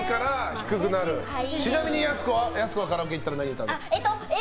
ちなみにやす子はカラオケ行ったら何歌うの？